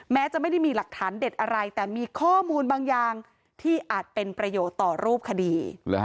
แม้จะไม่ได้มีหลักฐานเด็ดอะไรแต่มีข้อมูลบางอย่างที่อาจเป็นประโยชน์ต่อรูปคดี